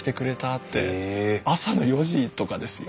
朝の４時とかですよ。